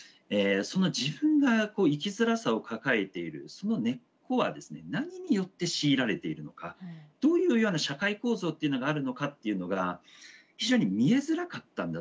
自分が生きづらさを抱えているその根っこはですね何によって強いられているのかどういうような社会構造っていうのがあるのかっていうのが非常に見えづらかったんだと思うんですね。